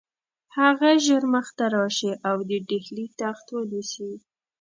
هغه ژر مخته راشي او د ډهلي تخت ونیسي.